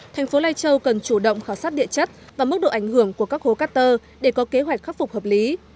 thành phố lai châu cần chủ động khảo sát địa chất và mức độ ảnh hưởng của các hố cát tơ để có kế hoạch khắc phục hợp lý